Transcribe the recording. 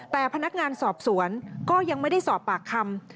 แต่พนักงานสอบสวนก็ยังไม่ได้สอบปากคำ